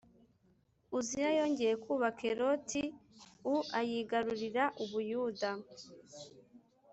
Uziya yongeye kubaka Eloti u ayigarurira u Buyuda